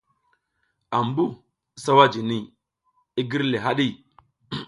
Ambuh sawa jini, i gir le haɗi.